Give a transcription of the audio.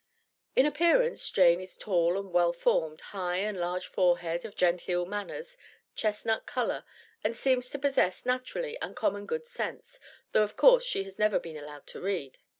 In appearance Jane is tall and well formed, high and large forehead, of genteel manners, chestnut color, and seems to possess, naturally, uncommon good sense, though of course she has never been allowed to read.